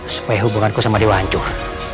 supaya hubunganku sama dia hancur